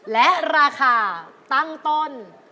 และราคาตั้งต้น